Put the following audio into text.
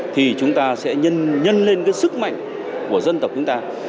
thì chúng ta sẽ nhân lên cái sức mạnh của dân tộc chúng ta